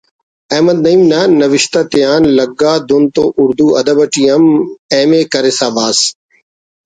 احمد نعیم نا نوشت آتیان لگا دن تو اردو ادب اٹی ایم اے کرسا بھاز